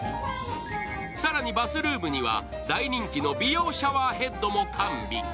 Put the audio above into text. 更にバスルームには大人気の美容シャワーヘッドも完備。